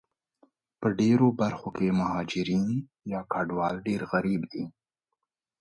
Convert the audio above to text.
په ډېرو برخو کې مهاجرین ډېر غریب دي